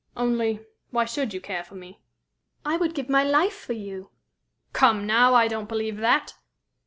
Only, why should you care for me?" "I would give my life for you." "Come, now! I don't believe that."